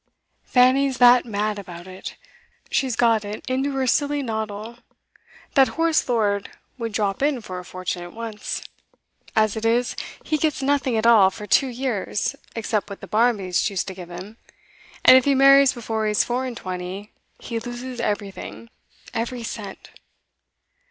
'Fanny's that mad about it! She'd got it into her silly noddle that Horace Lord would drop in for a fortune at once. As it is, he gets nothing at all for two years, except what the Barmbys choose to give him. And if he marries before he's four and twenty, he loses everything every cent!